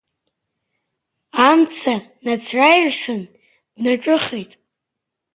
Амца нацраирсын, днаҿыхеит.